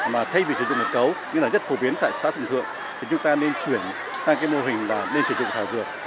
mà thay vì sử dụng mật cấu như là rất phổ biến tại xã hùng thượng thì chúng ta nên chuyển sang cái mô hình là nên sử dụng thảo dược